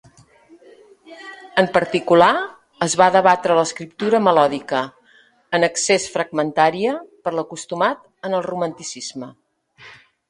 En particular, es va debatre l'escriptura melòdica, en excés fragmentària per l'acostumat en el Romanticisme.